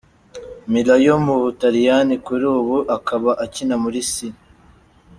Milan yo mu Butaliyani kuri ubu akaba akina muri C.